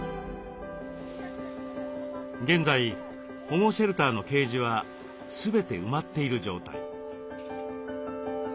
現在保護シェルターのケージは全て埋まっている状態。